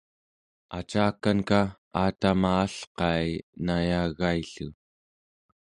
acakanka aatama alqai nayagai-llu